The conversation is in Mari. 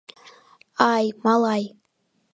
Ай, малай!